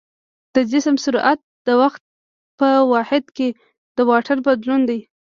د جسم سرعت د وخت په واحد کې د واټن بدلون دی.